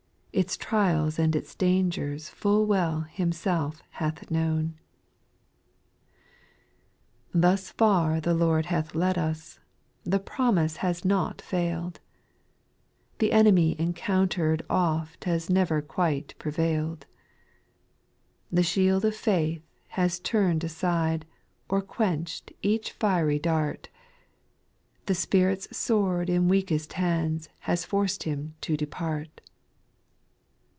Its trials and its dangers f\x\\ Nvell Himself hath known. SPIRITUAL SONGS. 227 2. Thus far the Lord hath led us ; the promise has not fail'd, The enemy encounter'd oft has never quite prevaird ; The shield of faiih has turn'd aside, or \ quench'd each fiery dart, The Spirit's sword in weakest hands has forced him to depart.